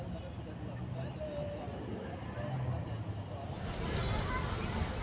berdasarkan data jumlah kendaraan yang memasuki puncak pada jumat kemarin mengalami peningkatan sebesar tiga puluh dibandingkan hari sebelumnya